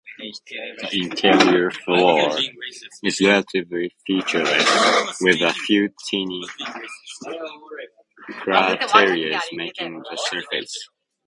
The interior floor is relatively featureless, with a few tiny craterlets marking the surface.